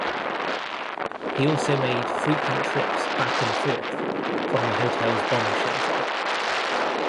He also made frequent trips back and forth from the hotel's bomb shelter.